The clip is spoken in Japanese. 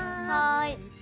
はい。